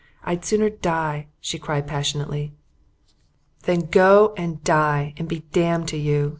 I'd sooner die," she cried passionately. "Then go and die and be damned to you!"